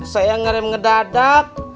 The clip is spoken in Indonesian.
saya ngerim ngedadak